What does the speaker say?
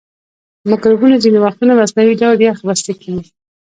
مکروبونه ځینې وختونه مصنوعي ډول یخ بسته کیږي.